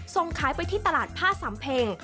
ส่งขายไปที่ตลาดผ้าสำเพ็ง